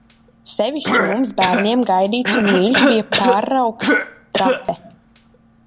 Sevišķi mums bērniem gaidīts un mīļš bija pārraugs Trape.